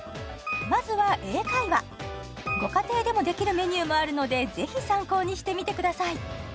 まずは英会話ご家庭でもできるメニューもあるのでぜひ参考にしてみてください